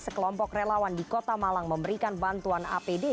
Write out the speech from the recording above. sekelompok relawan di kota malang memberikan bantuan apd